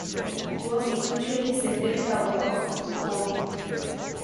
It was eventually settled out of court.